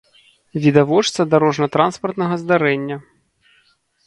відавочца дарожна-транспартнага здарэння